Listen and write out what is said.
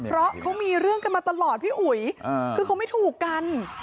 เพราะเขามีเรื่องกันมาตลอดพี่อุ๋ยคือเขาไม่ถูกกัน